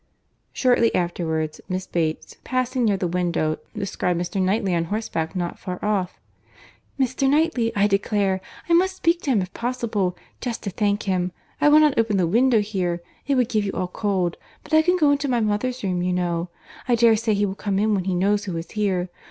Shortly afterwards Miss Bates, passing near the window, descried Mr. Knightley on horse back not far off. "Mr. Knightley I declare!—I must speak to him if possible, just to thank him. I will not open the window here; it would give you all cold; but I can go into my mother's room you know. I dare say he will come in when he knows who is here.